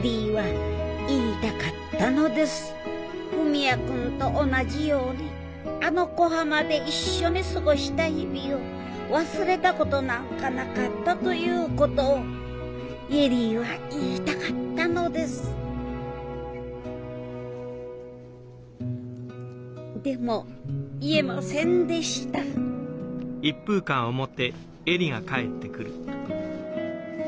「文也君と同じようにあの小浜で一緒に過ごした日々を忘れたことなんかなかった」ということを恵里は言いたかったのですでも言えませんでしたただいま。